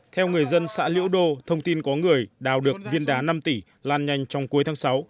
theo người dân xã liễu đô thông tin có người đào được viên đá năm tỷ lan nhanh trong cuối tháng sáu